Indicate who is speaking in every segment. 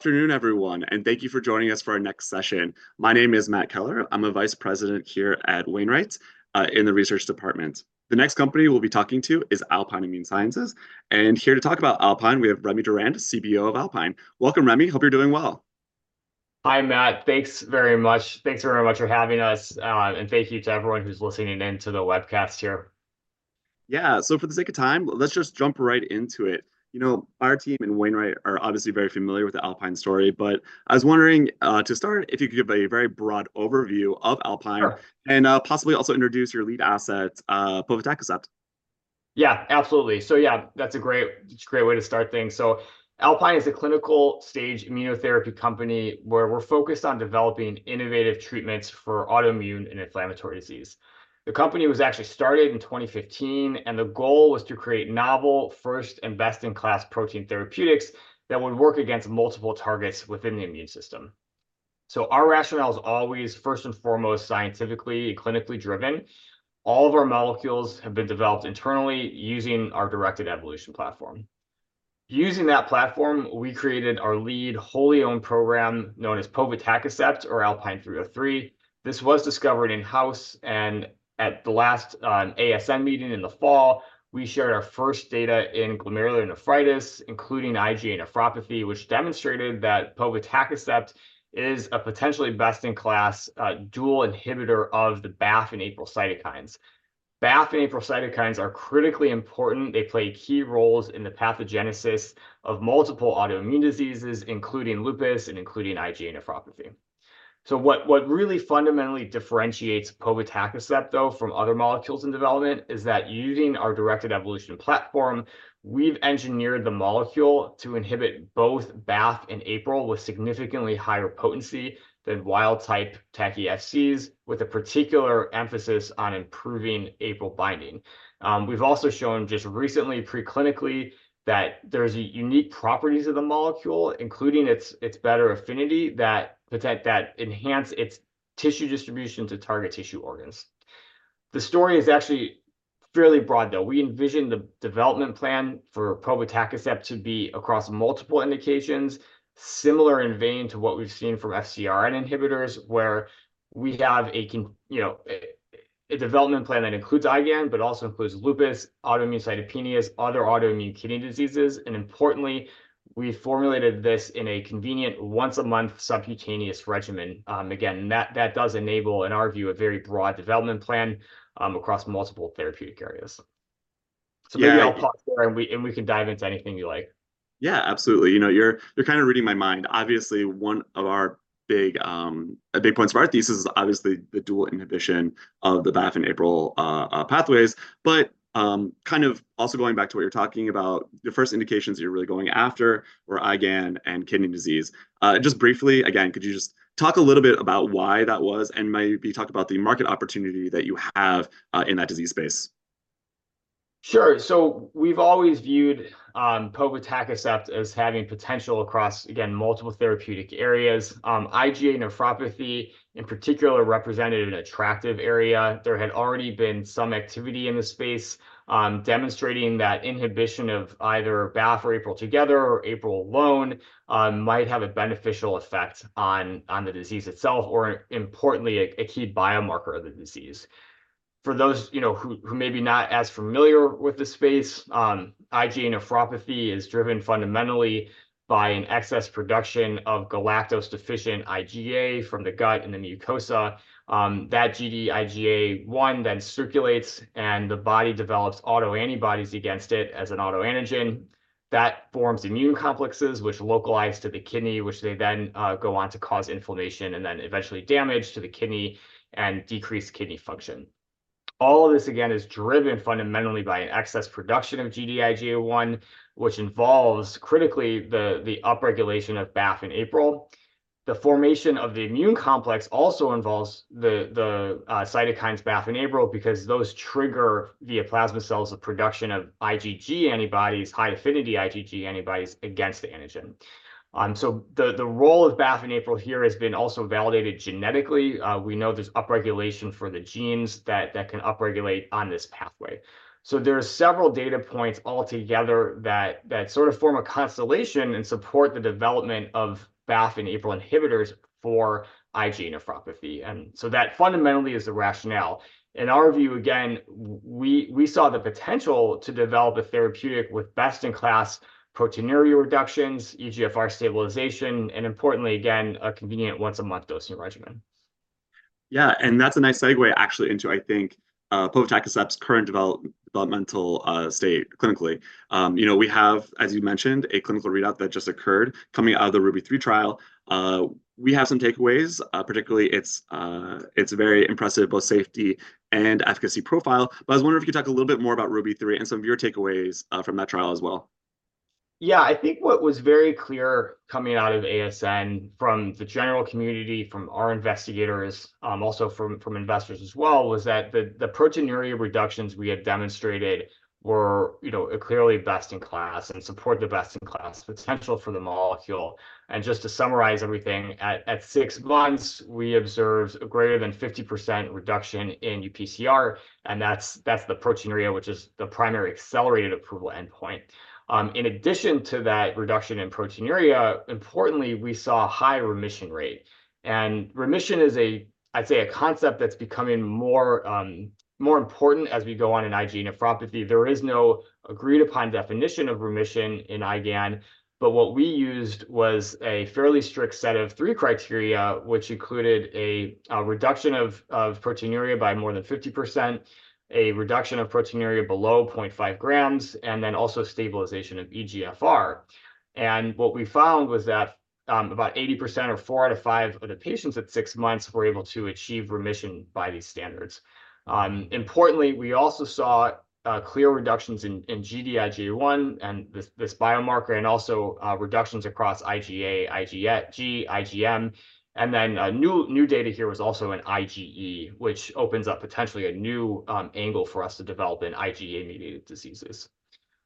Speaker 1: Afternoon, everyone, and thank you for joining us for our next session. My name is Matt Keller. I'm a vice president here at Wainwright, in the research department. The next company we'll be talking to is Alpine Immune Sciences, and here to talk about Alpine we have Remy Durand, CBO of Alpine. Welcome, Remy. Hope you're doing well.
Speaker 2: Hi, Matt. Thanks very much. Thanks very much for having us, and thank you to everyone who's listening into the webcast here.
Speaker 1: Yeah, so for the sake of time, let's just jump right into it. You know, our team in H.C. Wainwright are obviously very familiar with the Alpine story, but I was wondering, to start, if you could give a very broad overview of Alpine and, possibly also introduce your lead asset, povetacicept.
Speaker 2: Yeah, absolutely. So yeah, it's a great way to start things. So Alpine is a clinical-stage immunotherapy company where we're focused on developing innovative treatments for autoimmune and inflammatory disease. The company was actually started in 2015, and the goal was to create novel, first, and best-in-class protein therapeutics that would work against multiple targets within the immune system. So our rationale is always first and foremost scientifically and clinically driven. All of our molecules have been developed internally using our directed evolution platform. Using that platform, we created our lead wholly-owned program known as povetacicept, or ALPN-303. This was discovered in-house, and at the last ASN meeting in the fall, we shared our first data in glomerulonephritis, including IgA nephropathy, which demonstrated that povetacicept is a potentially best-in-class, dual inhibitor of the BAFF and APRIL cytokines. BAFF and APRIL cytokines are critically important. They play key roles in the pathogenesis of multiple autoimmune diseases, including lupus and including IgA nephropathy. So what—what really fundamentally differentiates povetacicept, though, from other molecules in development is that using our directed evolution platform, we've engineered the molecule to inhibit both BAFF and APRIL with significantly higher potency than wild-type TACI-Fc, with a particular emphasis on improving APRIL binding. We've also shown just recently, preclinically, that there are unique properties of the molecule, including its, its better affinity, that potentially enhance its tissue distribution to target tissue organs. The story is actually fairly broad, though. We envision the development plan for povetacicept to be across multiple indications, similar in vein to what we've seen from FcRn inhibitors, where we have a—you know, a development plan that includes IgAN but also includes lupus, autoimmune cytopenias, other autoimmune kidney diseases, and importantly, we formulated this in a convenient once-a-month subcutaneous regimen. Again, that does enable, in our view, a very broad development plan, across multiple therapeutic areas. So maybe I'll pause there, and we can dive into anything you like.
Speaker 1: Yeah, absolutely. You know, you're—you're kind of reading my mind. Obviously, one of our big, a big points of our thesis is obviously the dual inhibition of the BAFF and APRIL pathways, but, kind of also going back to what you're talking about, the first indications that you're really going after were IgAN and kidney disease. Just briefly, again, could you just talk a little bit about why that was, and maybe talk about the market opportunity that you have, in that disease space?
Speaker 2: Sure. So we've always viewed povetacicept as having potential across, again, multiple therapeutic areas. IgA nephropathy, in particular, represented an attractive area. There had already been some activity in the space, demonstrating that inhibition of either BAFF or APRIL together or APRIL alone might have a beneficial effect on the disease itself or, importantly, a key biomarker of the disease. For those, you know, who may be not as familiar with the space, IgA nephropathy is driven fundamentally by an excess production of galactose-deficient IgA from the gut and the mucosa. That Gd-IgA1 then circulates, and the body develops autoantibodies against it as an autoantigen. That forms immune complexes, which localize to the kidney, which they then go on to cause inflammation and then eventually damage to the kidney and decrease kidney function. All of this, again, is driven fundamentally by an excess production of Gd-IgA1, which involves, critically, the upregulation of BAFF and APRIL. The formation of the immune complex also involves the cytokines BAFF and APRIL because those trigger, via plasma cells, the production of IgG antibodies, high-affinity IgG antibodies, against the antigen. So the role of BAFF and APRIL here has been also validated genetically. We know there's upregulation for the genes that can upregulate on this pathway. So there are several data points altogether that sort of form a constellation and support the development of BAFF and APRIL inhibitors for IgA nephropathy. And so that fundamentally is the rationale. In our view, again, we saw the potential to develop a therapeutic with best-in-class proteinuria reductions, eGFR stabilization, and importantly, again, a convenient once-a-month dosing regimen.
Speaker 1: Yeah, and that's a nice segue, actually, into, I think, povetacicept's current developmental state clinically. You know, we have, as you mentioned, a clinical readout that just occurred coming out of the RUBY-3 trial. We have some takeaways, particularly it's, it's a very impressive both safety and efficacy profile, but I was wondering if you could talk a little bit more about RUBY-3 and some of your takeaways from that trial as well.
Speaker 2: Yeah, I think what was very clear coming out of ASN, from the general community, from our investigators, also from investors as well, was that the proteinuria reductions we had demonstrated were, you know, clearly best-in-class and support the best-in-class potential for the molecule. And just to summarize everything, at six months, we observed a greater than 50% reduction in UPCR, and that's the proteinuria, which is the primary accelerated approval endpoint. In addition to that reduction in proteinuria, importantly, we saw a high remission rate. And remission is a, I'd say, a concept that's becoming more important as we go on in IgA nephropathy. There is no agreed-upon definition of remission in IgAN, but what we used was a fairly strict set of three criteria, which included a reduction of proteinuria by more than 50%, a reduction of proteinuria below 0.5 grams, and then also stabilization of eGFR. What we found was that, about 80%, or 4 out of 5 of the patients at 6 months, were able to achieve remission by these standards. Importantly, we also saw clear reductions in Gd-IgA1 and this biomarker, and also reductions across IgA, IgG, IgM, and then new data here was also in IgE, which opens up potentially a new angle for us to develop in IgA-mediated diseases.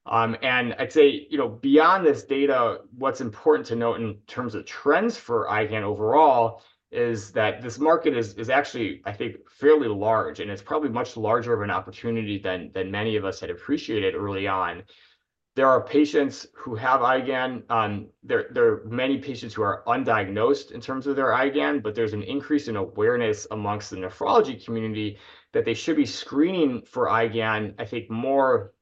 Speaker 2: I'd say, you know, beyond this data, what's important to note in terms of trends for IgAN overall is that this market is actually, I think, fairly large, and it's probably much larger of an opportunity than many of us had appreciated early on. There are patients who have IgAN. There are many patients who are undiagnosed in terms of their IgAN, but there's an increase in awareness amongst the nephrology community that they should be screening for IgAN, I think, more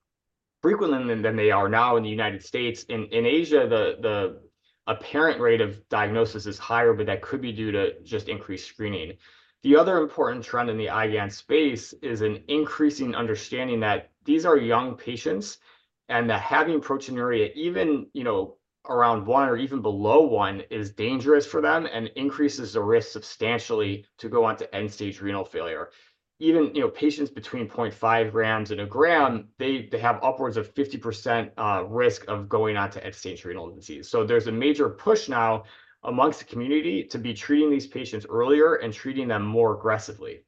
Speaker 2: frequently than they are now in the United States. In Asia, the apparent rate of diagnosis is higher, but that could be due to just increased screening. The other important trend in the IgAN space is an increasing understanding that these are young patients, and that having proteinuria, even, you know, around one or even below one, is dangerous for them and increases the risk substantially to go on to end-stage renal failure. Even, you know, patients between 0.5 grams and a gram, they have upwards of 50% risk of going on to end-stage renal disease. So there's a major push now amongst the community to be treating these patients earlier and treating them more aggressively.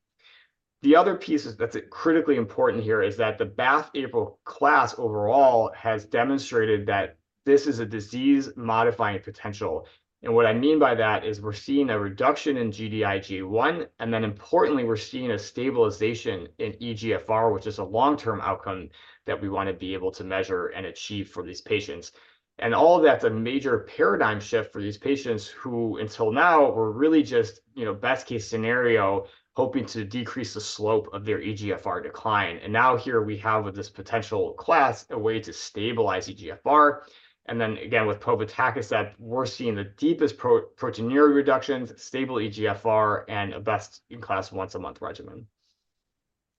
Speaker 2: The other piece that's critically important here is that the BAFF/APRIL class overall has demonstrated that this is a disease-modifying potential. What I mean by that is we're seeing a reduction in Gd-IgA1, and then importantly, we're seeing a stabilization in eGFR, which is a long-term outcome that we want to be able to measure and achieve for these patients. All of that's a major paradigm shift for these patients who, until now, were really just, you know, best-case scenario, hoping to decrease the slope of their eGFR decline. Now here we have this potential class, a way to stabilize eGFR. Then again, with povetacicept, we're seeing the deepest proteinuria reductions, stable eGFR, and a best-in-class once-a-month regimen.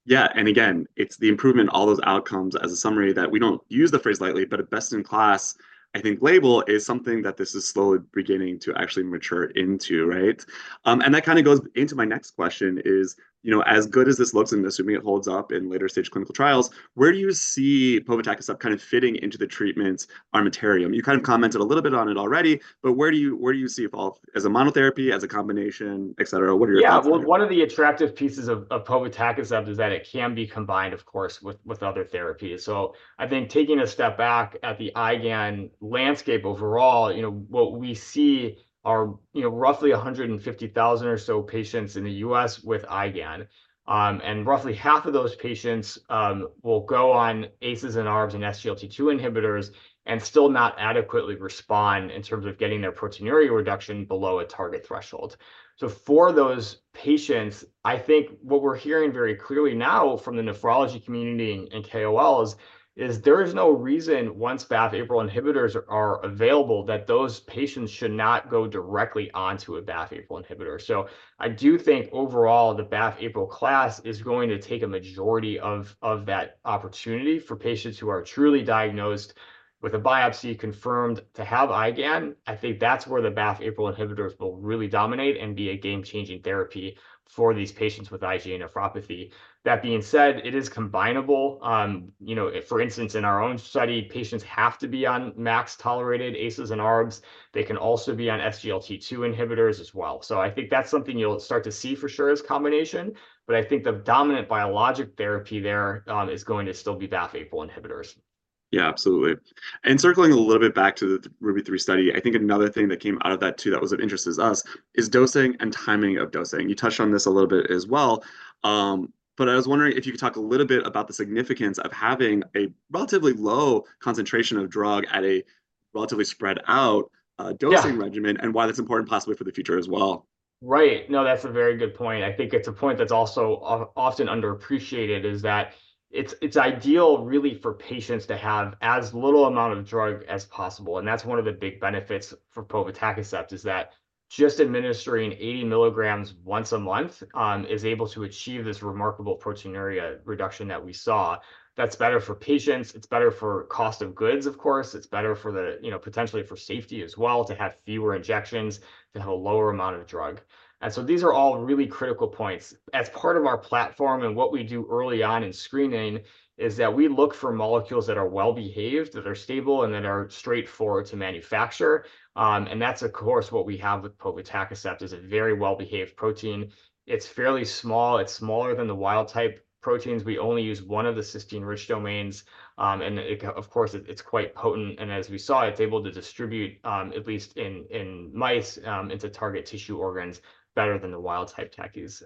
Speaker 1: Yeah, and again, it's the improvement in all those outcomes. As a summary, that we don't use the phrase lightly, but a best-in-class, I think, label is something that this is slowly beginning to actually mature into, right? That kind of goes into my next question is, you know, as good as this looks, and assuming it holds up in later-stage clinical trials, where do you see povetacicept kind of fitting into the treatment armamentarium? You kind of commented a little bit on it already, but where do you, where do you see it fall? As a monotherapy, as a combination, et cetera? What are your outcomes?
Speaker 2: Yeah, well, one of the attractive pieces of povetacicept is that it can be combined, of course, with other therapies. So I think taking a step back at the IgAN landscape overall, you know, what we see are, you know, roughly 150,000 or so patients in the U.S. with IgAN, and roughly half of those patients will go on ACEs and ARBs and SGLT2 inhibitors and still not adequately respond in terms of getting their proteinuria reduction below a target threshold. So for those patients, I think what we're hearing very clearly now from the nephrology community and KOLs is there is no reason, once BAFF/APRIL inhibitors are available, that those patients should not go directly onto a BAFF/APRIL inhibitor. So I do think overall the BAFF/APRIL class is going to take a majority of that opportunity for patients who are truly diagnosed with a biopsy confirmed to have IgAN. I think that's where the BAFF/APRIL inhibitors will really dominate and be a game-changing therapy for these patients with IgA nephropathy. That being said, it is combinable. You know, for instance, in our own study, patients have to be on max-tolerated ACEs and ARBs. They can also be on SGLT2 inhibitors as well. So I think that's something you'll start to see for sure as combination, but I think the dominant biologic therapy there is going to still be BAFF/APRIL inhibitors.
Speaker 1: Yeah, absolutely. And circling a little bit back to the RUBY-3 study, I think another thing that came out of that too that was of interest to us is dosing and timing of dosing. You touched on this a little bit as well. But I was wondering if you could talk a little bit about the significance of having a relatively low concentration of drug at a relatively spread-out, dosing regimen and why that's important possibly for the future as well.
Speaker 2: Right. No, that's a very good point. I think it's a point that's also often underappreciated is that it's ideal really for patients to have as little amount of drug as possible. And that's one of the big benefits for povetacicept is that just administering 80 milligrams once a month is able to achieve this remarkable proteinuria reduction that we saw. That's better for patients. It's better for cost of goods, of course. It's better for the, you know, potentially for safety as well, to have fewer injections, to have a lower amount of drug. And so these are all really critical points. As part of our platform and what we do early on in screening is that we look for molecules that are well-behaved, that are stable, and that are straightforward to manufacture, and that's, of course, what we have with povetacicept is a very well-behaved protein. It's fairly small. It's smaller than the wild-type proteins. We only use one of the cysteine-rich domains. Of course, it's quite potent. And as we saw, it's able to distribute, at least in mice, into target tissue organs better than the wild-type TACIs.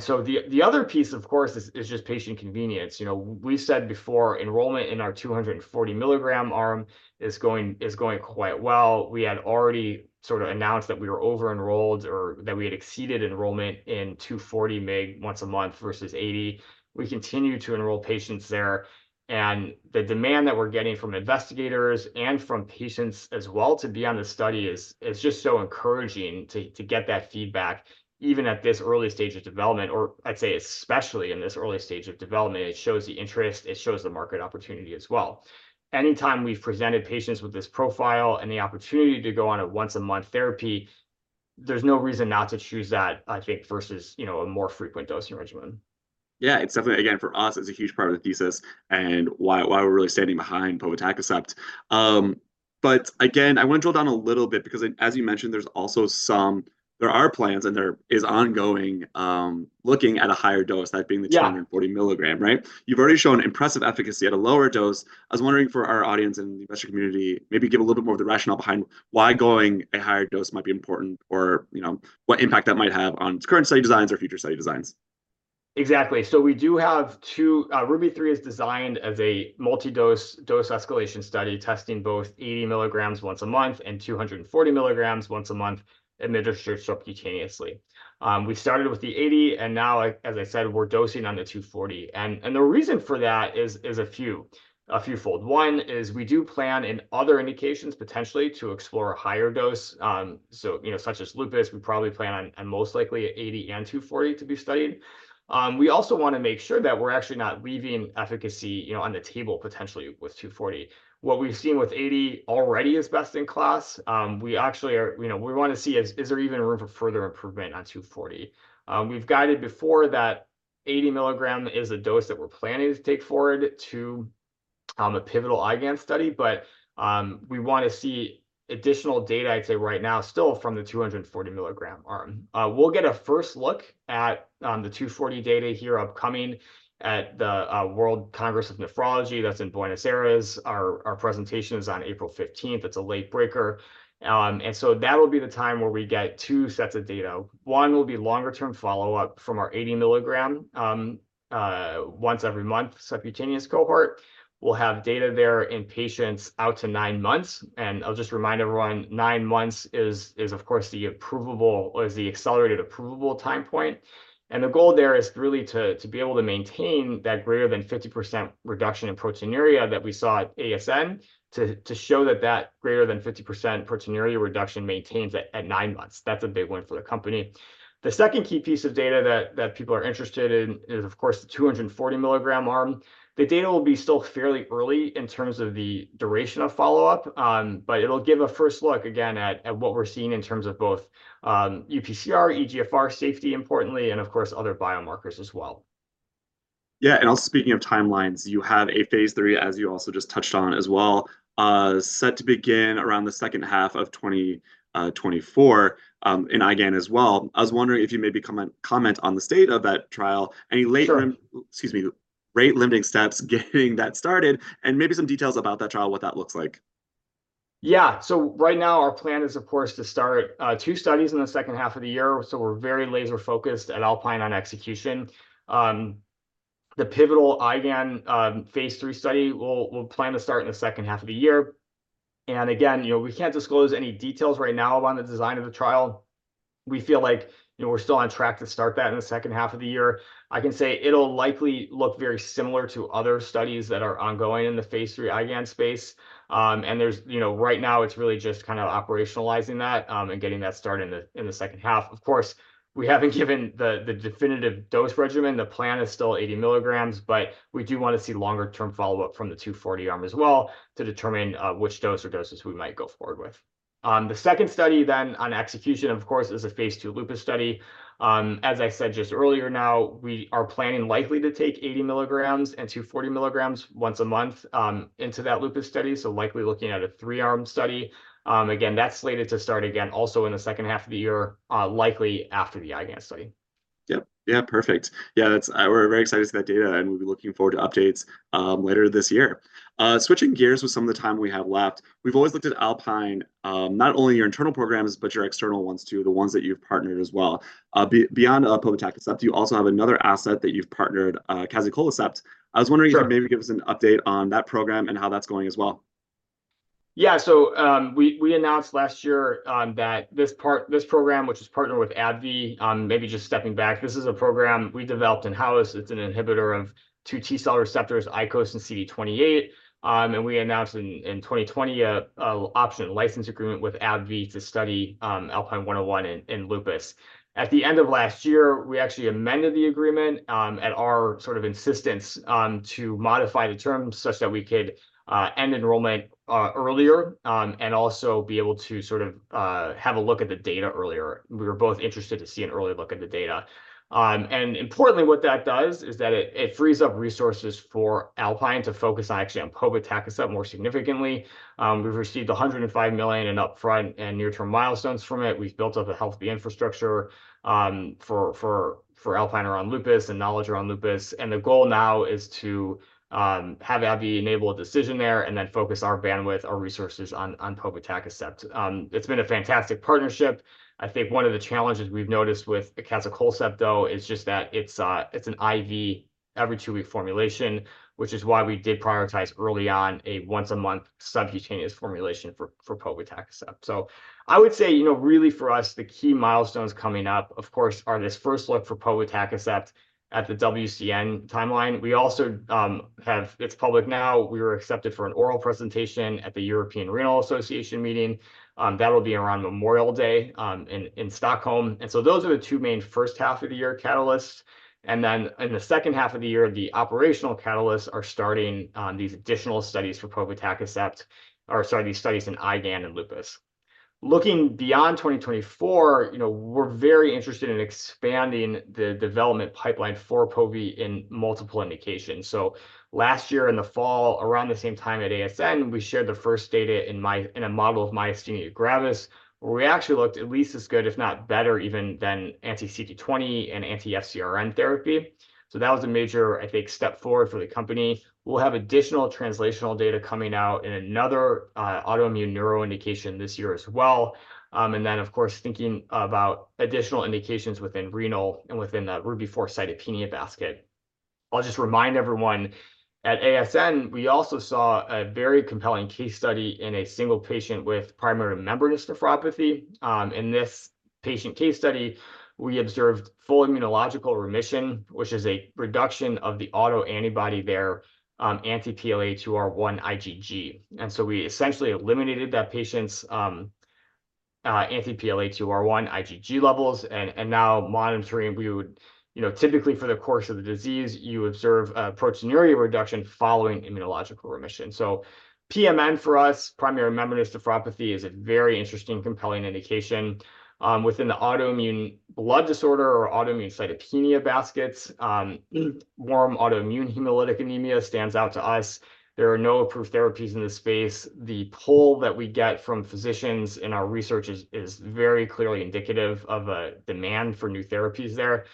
Speaker 2: So the other piece, of course, is just patient convenience. You know, we said before enrollment in our 240 mg arm is going quite well. We had already sort of announced that we were over-enrolled or that we had exceeded enrollment in 240 mg once a month versus 80. We continue to enroll patients there. And the demand that we're getting from investigators and from patients as well to be on the study is just so encouraging to get that feedback, even at this early stage of development, or I'd say especially in this early stage of development. It shows the interest. It shows the market opportunity as well. Anytime we've presented patients with this profile and the opportunity to go on a once-a-month therapy, there's no reason not to choose that, I think, versus, you know, a more frequent dosing regimen.
Speaker 1: Yeah, it's definitely, again, for us, it's a huge part of the thesis and why, why we're really standing behind povetacicept. But again, I want to drill down a little bit because, as you mentioned, there's also some, there are plans and there is ongoing, looking at a higher dose, that being the 240 mg, right? You've already shown impressive efficacy at a lower dose. I was wondering for our audience and the investor community, maybe give a little bit more of the rationale behind why going a higher dose might be important or, you know, what impact that might have on current study designs or future study designs.
Speaker 2: Exactly. So we do have two: RUBY-3 is designed as a multi-dose dose escalation study testing both 80 milligrams once a month and 240 milligrams once a month administered subcutaneously. We started with the 80, and now, as I said, we're dosing on the 240. And the reason for that is a few fold. One is we do plan in other indications potentially to explore a higher dose. So, you know, such as lupus, we probably plan on most likely 80 and 240 to be studied. We also want to make sure that we're actually not leaving efficacy, you know, on the table potentially with 240. What we've seen with 80 already is best-in-class. We actually are, you know, we want to see if there is even room for further improvement on 240? We've guided before that 80 milligram is a dose that we're planning to take forward to a pivotal IgAN study, but we want to see additional data, I'd say, right now still from the 240 milligram arm. We'll get a first look at the 240 data here upcoming at the World Congress of Nephrology. That's in Buenos Aires. Our presentation is on April 15th. It's a late breaker. And so that will be the time where we get two sets of data. One will be longer-term follow-up from our 80 milligram, once every month subcutaneous cohort. We'll have data there in patients out to nine months. And I'll just remind everyone, nine months is, of course, the approvable or is the accelerated approvable time point. The goal there is really to be able to maintain that greater than 50% reduction in proteinuria that we saw at ASN to show that that greater than 50% proteinuria reduction maintains at nine months. That's a big one for the company. The second key piece of data that people are interested in is, of course, the 240 mg arm. The data will be still fairly early in terms of the duration of follow-up, but it'll give a first look again at what we're seeing in terms of both UPCR, eGFR, safety importantly, and of course, other biomarkers as well.
Speaker 1: Yeah, and also speaking of timelines, you have a phase 3, as you also just touched on as well, set to begin around the second half of 2024, in IgAN as well. I was wondering if you maybe comment on the state of that trial, any rate-limiting steps getting that started, and maybe some details about that trial, what that looks like.
Speaker 2: Yeah, so right now our plan is, of course, to start 2 studies in the second half of the year. So we're very laser-focused at Alpine on execution. The pivotal IgAN phase 3 study will—we'll plan to start in the second half of the year. And again, you know, we can't disclose any details right now about the design of the trial. We feel like, you know, we're still on track to start that in the second half of the year. I can say it'll likely look very similar to other studies that are ongoing in the phase 3 IgAN space. And there's, you know, right now it's really just kind of operationalizing that, and getting that started in the—in the second half. Of course, we haven't given the—the definitive dose regimen. The plan is still 80 milligrams, but we do want to see longer-term follow-up from the 240 arm as well to determine which dose or doses we might go forward with. The second study then on execution, of course, is a phase 2 lupus study. As I said just earlier, now we are planning likely to take 80 milligrams and 240 milligrams once a month into that lupus study. So likely looking at a three-arm study. Again, that's slated to start again also in the second half of the year, likely after the IgAN study.
Speaker 1: Yep. Yeah, perfect. Yeah, that's, we're very excited to see that data, and we'll be looking forward to updates, later this year. Switching gears with some of the time we have left, we've always looked at Alpine, not only your internal programs, but your external ones too, the ones that you've partnered as well. Beyond, povetacicept, you also have another asset that you've partnered, acazicolcept. I was wondering if you could maybe give us an update on that program and how that's going as well.
Speaker 2: Yeah, so, we announced last year that this program, which is partnered with AbbVie, maybe just stepping back, this is a program we developed in house. It's an inhibitor of two T-cell receptors, ICOS and CD28. And we announced in 2020 an option license agreement with AbbVie to study ALPN-101 in lupus. At the end of last year, we actually amended the agreement, at our sort of insistence, to modify the terms such that we could end enrollment earlier, and also be able to sort of have a look at the data earlier. We were both interested to see an early look at the data. And importantly, what that does is that it frees up resources for Alpine to focus on actually on povetacicept more significantly. We've received $105 million in upfront and near-term milestones from it. We've built up a healthy infrastructure for Alpine around lupus and knowledge around lupus. The goal now is to have AbbVie enable a decision there and then focus our bandwidth, our resources on povetacicept. It's been a fantastic partnership. I think one of the challenges we've noticed with acazicolcept, though, is just that it's an IV every two-week formulation, which is why we did prioritize early on a once-a-month subcutaneous formulation for povetacicept. I would say, you know, really for us, the key milestones coming up, of course, are this first look for povetacicept at the WCN timeline. We also have—it's public now. We were accepted for an oral presentation at the European Renal Association meeting. That'll be around Memorial Day, in Stockholm. Those are the two main first half of the year catalysts. And then in the second half of the year, the operational catalysts are starting, these additional studies for povetacicept, or sorry, these studies in IgAN and lupus. Looking beyond 2024, you know, we're very interested in expanding the development pipeline for Povi in multiple indications. So last year in the fall, around the same time at ASN, we shared the first data in a model of myasthenia gravis, where we actually looked at least as good, if not better, even than anti-CD20 and anti-FcRn therapy. So that was a major, I think, step forward for the company. We'll have additional translational data coming out in another, autoimmune neuro indication this year as well, and then, of course, thinking about additional indications within renal and within the RUBY-4 cytopenia basket. I'll just remind everyone, at ASN, we also saw a very compelling case study in a single patient with primary membranous nephropathy. In this patient case study, we observed full immunological remission, which is a reduction of the autoantibody there, anti-PLA2R1 IgG. And so we essentially eliminated that patient's anti-PLA2R1 IgG levels. And now monitoring, we would, you know, typically for the course of the disease, you observe a proteinuria reduction following immunological remission. So PMN for us, primary membranous nephropathy, is a very interesting, compelling indication. Within the autoimmune blood disorder or autoimmune cytopenia baskets, warm autoimmune hemolytic anemia stands out to us. There are no approved therapies in this space. The pull that we get from physicians in our research is very clearly indicative of a demand for new therapies there.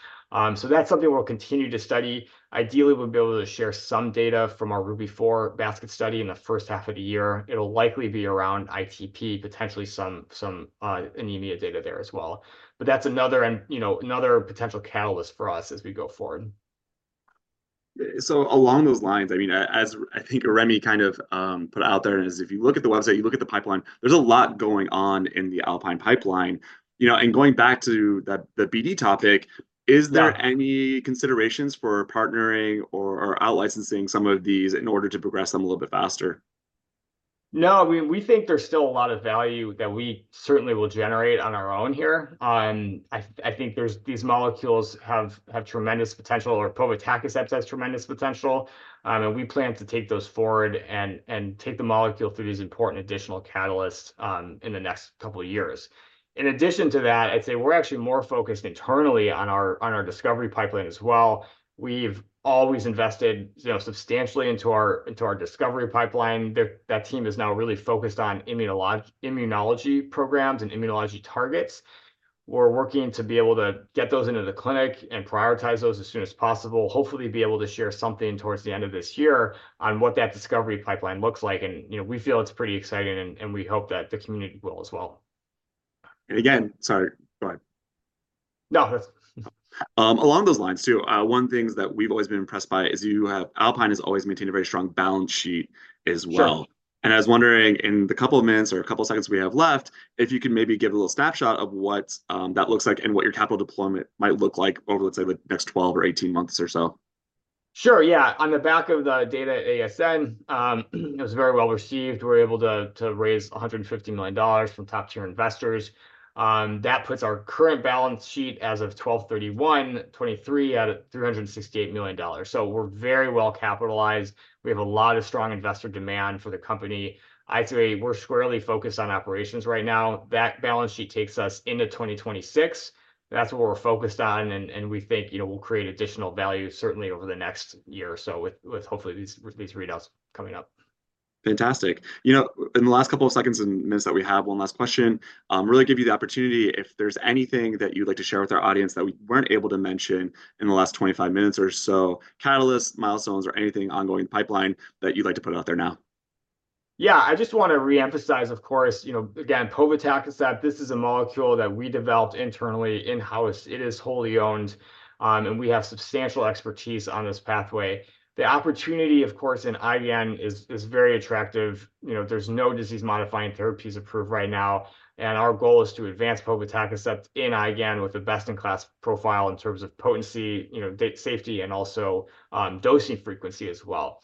Speaker 2: So that's something we'll continue to study. Ideally, we'll be able to share some data from our RUBY-4 basket study in the first half of the year. It'll likely be around ITP, potentially some anemia data there as well. But that's another, you know, another potential catalyst for us as we go forward.
Speaker 1: So along those lines, I mean, as I think Remy kind of, put out there, and as if you look at the website, you look at the pipeline, there's a lot going on in the Alpine pipeline, you know, and going back to that - the BD topic, is there any considerations for partnering or - or outlicensing some of these in order to progress them a little bit faster?
Speaker 2: No, I mean, we think there's still a lot of value that we certainly will generate on our own here. I think there's—these molecules have tremendous potential, or povetacicept has tremendous potential. And we plan to take those forward and take the molecule through these important additional catalysts, in the next couple of years. In addition to that, I'd say we're actually more focused internally on our discovery pipeline as well. We've always invested, you know, substantially into our discovery pipeline. That team is now really focused on immunology programs and immunology targets. We're working to be able to get those into the clinic and prioritize those as soon as possible, hopefully be able to share something towards the end of this year on what that discovery pipeline looks like. And, you know, we feel it's pretty exciting, and we hope that the community will as well.
Speaker 1: And again, sorry, go ahead.
Speaker 2: No, that's.
Speaker 1: Along those lines too, one of the things that we've always been impressed by is you have Alpine has always maintained a very strong balance sheet as well. And I was wondering in the couple of minutes or a couple of seconds we have left, if you could maybe give a little snapshot of what that looks like and what your capital deployment might look like over, let's say, the next 12 or 18 months or so.
Speaker 2: Sure, yeah. On the back of the data at ASN, it was very well received. We were able to raise $150 million from top-tier investors. That puts our current balance sheet as of 12/31/2023 at $368 million. So we're very well capitalized. We have a lot of strong investor demand for the company. I'd say we're squarely focused on operations right now. That balance sheet takes us into 2026. That's what we're focused on, and we think, you know, we'll create additional value, certainly over the next year or so with hopefully these readouts coming up.
Speaker 1: Fantastic. You know, in the last couple of seconds and minutes that we have, one last question, really give you the opportunity if there's anything that you'd like to share with our audience that we weren't able to mention in the last 25 minutes or so, catalysts, milestones, or anything ongoing in the pipeline that you'd like to put out there now.
Speaker 2: Yeah, I just want to reemphasize, of course, you know, again, povetacicept, this is a molecule that we developed internally in-house. It is wholly owned, and we have substantial expertise on this pathway. The opportunity, of course, in IgAN is very attractive. You know, there's no disease-modifying therapies approved right now. And our goal is to advance povetacicept in IgAN with the best-in-class profile in terms of potency, you know, safety, and also dosing frequency as well.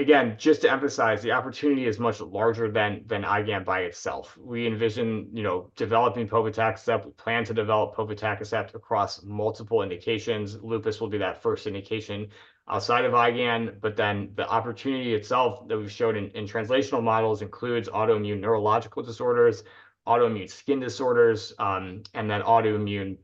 Speaker 2: Again, just to emphasize, the opportunity is much larger than IgAN by itself. We envision, you know, developing povetacicept. We plan to develop povetacicept across multiple indications. Lupus will be that first indication outside of IgAN, but then the opportunity itself that we've showed in translational models includes autoimmune neurological disorders, autoimmune skin disorders, and then autoimmune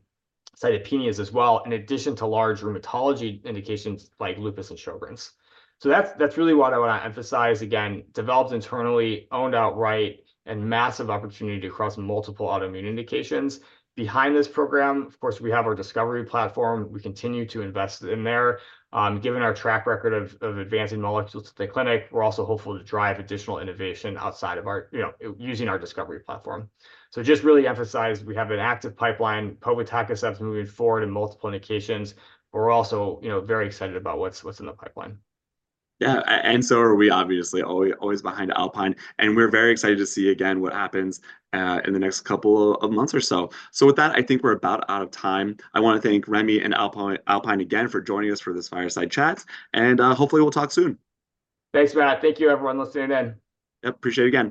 Speaker 2: cytopenias as well, in addition to large rheumatology indications like lupus and Sjögren's. So that's really what I want to emphasize. Again, developed internally, owned outright, and massive opportunity across multiple autoimmune indications. Behind this program, of course, we have our discovery platform. We continue to invest in there. Given our track record of advancing molecules to the clinic, we're also hopeful to drive additional innovation outside of our, you know, using our discovery platform. So just really emphasize, we have an active pipeline, povetacicept moving forward in multiple indications. But we're also, you know, very excited about what's in the pipeline.
Speaker 1: Yeah, and so are we obviously always behind Alpine. We're very excited to see again what happens, in the next couple of months or so. With that, I think we're about out of time. I want to thank Remy and Alpine again for joining us for this fireside chat. Hopefully we'll talk soon.
Speaker 2: Thanks, Matt. Thank you, everyone listening in.
Speaker 1: Yep, appreciate you, Matt.